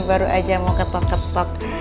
baru aja mau ketok ketok